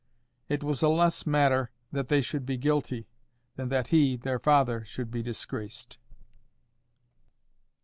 It was a less matter that they should be guilty, than that he, their father, should be disgraced.